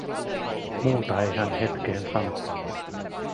Muuta ei hän hetkeen sano.